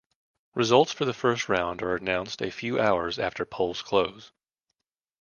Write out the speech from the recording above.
Results for the first round are announced a few hours after polls close.